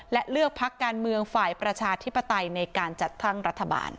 และเลือกพักการเมืองฝ่ายประชาธิปไตยในการจัดตั้งรัฐบาล